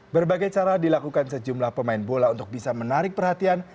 berbagai cara dilakukan sejumlah pemain bola untuk bisa menarik perhatian